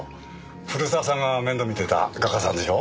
古澤さんが面倒見てた画家さんでしょ？